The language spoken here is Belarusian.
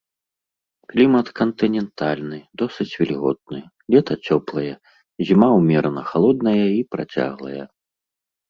Клімат кантынентальны, досыць вільготны, лета цёплае, зіма ўмерана халодная і працяглая.